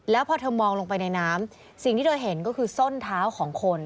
แล้วพอเธอมองลงไปในน้ำสิ่งที่เธอเห็นก็คือส้นเท้าของคน